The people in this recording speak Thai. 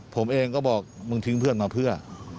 ผมเองก็บอกมึงทิ้งเพื่อนมาเพื่อ